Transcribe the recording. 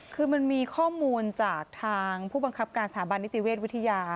คือมันมีข้อมูลจากทางผู้บังคับการสถาบันนิติเวชวิทยา